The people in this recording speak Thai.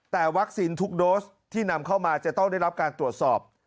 แต่วัคซีนทุกโดสที่นำเข้ามาจะต้องได้รับการตรวจสอบ